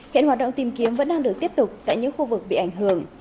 hiện hoạt động tìm kiếm vẫn đang được tiếp tục tại những khu vực bị ảnh hưởng